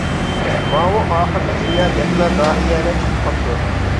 ماۋۇ ئاخىرقى جۈملە بەكلا داھىيانە چىقىپ قاپتۇ.